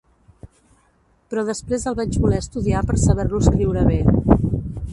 Però després el vaig voler estudiar per saber-lo escriure bé.